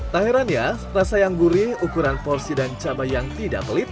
tak heran ya rasa yang gurih ukuran porsi dan cabai yang tidak pelit